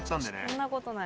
そんなことない。